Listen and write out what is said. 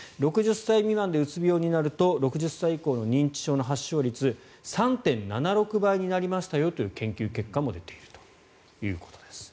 ６０歳未満でうつ病になると６０歳以降の認知症の発症率３．７６倍になりましたよという研究結果も出ているということです。